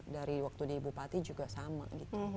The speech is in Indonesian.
dari waktu di bupati juga sama gitu